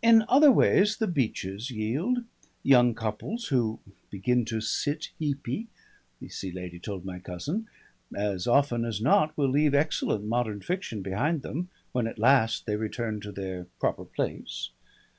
In other ways the beaches yield. Young couples who "begin to sit heapy," the Sea Lady told my cousin, as often as not will leave excellent modern fiction behind them, when at last they return to their proper place.